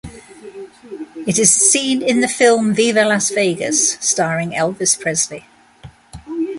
It is seen in the film "Viva Las Vegas" starring Elvis Presley.